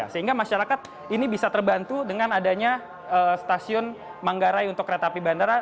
sehingga masyarakat ini bisa terbantu dengan adanya stasiun manggarai untuk kereta api bandara